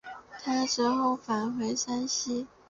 他之后返回山西。